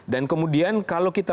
dan kemudian kalau kita